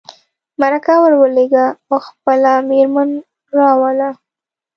مرکه ور ولېږه او خپله مېرمن راوله.